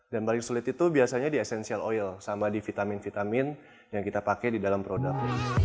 dan paling sulit itu biasanya di essential oil sama di vitamin vitamin yang kita pakai di dalam produk